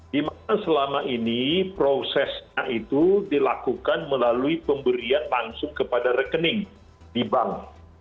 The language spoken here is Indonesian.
di mana selama ini prosesnya itu dilakukan melalui pemberian langsung kepada rekening di bank